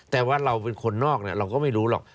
แต่ว่าเราเป็นคนนอกเราก็ไม่รู้หรอก